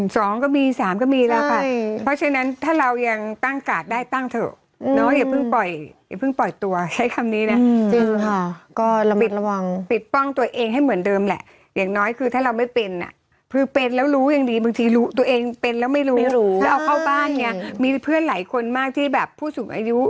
สองก็มีสามก็มีแล้วค่ะเพราะฉะนั้นถ้าเรายังตั้งกาดได้ตั้งเถอะเนาะอย่าเพิ่งปล่อยอย่าเพิ่งปล่อยตัวใช้คำนี้นะจริงค่ะก็ระบิดระวังปิดป้องตัวเองให้เหมือนเดิมแหละอย่างน้อยคือถ้าเราไม่เป็นอ่ะคือเป็นแล้วรู้ยังดีบางทีรู้ตัวเองเป็นแล้วไม่รู้ไม่รู้แล้วเอาเข้าบ้านไงมีเพื่อนหลายคนมากที่แบบผู้สูงอายุ